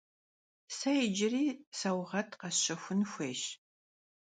Se yicıri sauğet khesşexun xuêyş.